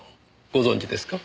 ご存じですか？